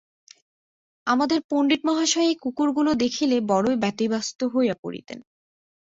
আমাদের পণ্ডিতমহাশয় এই কুকুরগুলা দেখিলে বড়োই ব্যতিব্যস্ত হইয়া পড়িতেন।